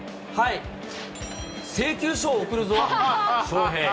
請求書を送るぞ翔平。